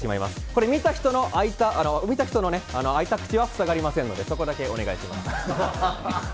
これ、見た人の、見た人の開いた口は塞がりませんので、そこだけお願いします。